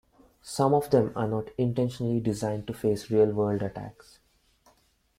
Some of them are not intentionally designed to face real-world attacks.